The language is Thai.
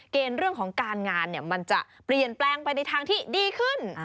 เกณฑ์เรื่องของการงานมันจะเปลี่ยนแปลงไปในทางที่ดีขึ้น